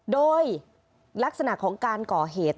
โดยลักษณะของการก่อเหตุ